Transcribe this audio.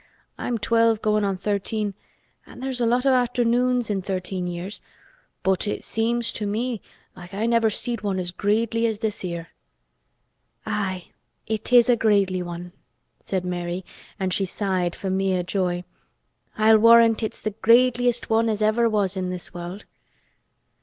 "I'm twelve goin' on thirteen an' there's a lot o' afternoons in thirteen years, but seems to me like I never seed one as graidely as this 'ere." "Aye, it is a graidely one," said Mary, and she sighed for mere joy. "I'll warrant it's the graidelest one as ever was in this world."